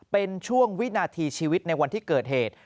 เป็นช่วงวินาทีชีวิตในวันที่เกิดเหตุ